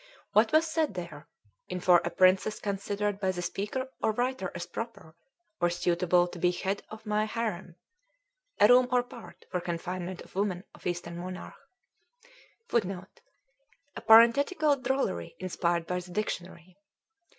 What was said there in for a princess considered by the Speaker or Writer as proper or suitable to be head on my harem (a room or part for confinement of Women of Eastern monarch) [Footnote: A parenthetical drollery inspired by the dictionary.